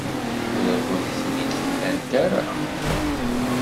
Ur akent-ten-id-mlant ara.